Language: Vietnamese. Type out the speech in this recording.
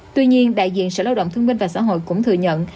tuy nhiên đại diện sở lao động thương minh và xã hội cũng thừa nhận